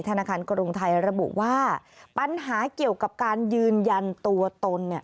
ธนาคารกรุงไทยระบุว่าปัญหาเกี่ยวกับการยืนยันตัวตนเนี่ย